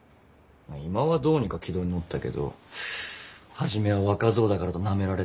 今はどうにか軌道に乗ったけど初めは若造だからとなめられて。